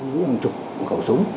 giữ hàng chục cổ súng